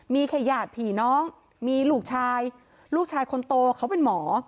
มีแค่ญาติผีน้องมีลูกชายลูกชายคนโตเขาเป็นหมอ